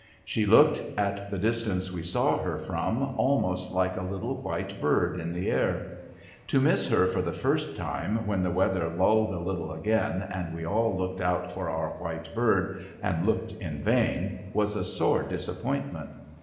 She looked, at the distance we saw her from, almost like a little white bird in the air. To miss her for the first time, when the weather killed a little again, and we all looked out for our white bird and looked in vain, was a sore disappointment.